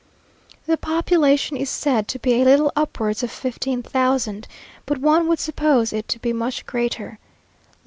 The population is said to be a little upwards of fifteen thousand, but one would suppose it to be much greater.